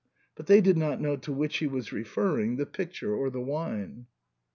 *' but they did not know to which he was referring, the picture or the wine.